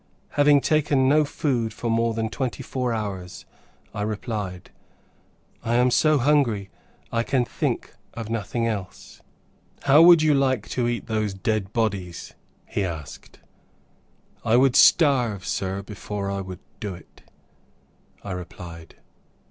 Having taken no food for more than twenty four hours, I replied, "I am so hungry, I can think of nothing else." "How would you like to eat those dead bodies?" he asked. "I would starve, Sir, before I would do it," I replied.